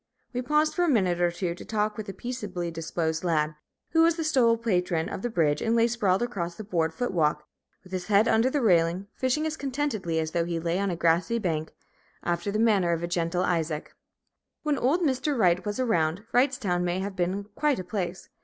We paused for a minute or two, to talk with a peaceably disposed lad, who was the sole patron of the bridge and lay sprawled across the board foot walk, with his head under the railing, fishing as contentedly as though he lay on a grassy bank, after the manner of the gentle Izaak. When old Mr. Wright was around, Wrightstown may have been quite a place.